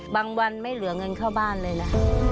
วันไม่เหลือเงินเข้าบ้านเลยนะ